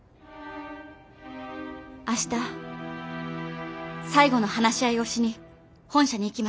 明日最後の話し合いをしに本社に行きます。